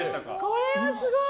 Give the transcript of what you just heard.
これはすごい！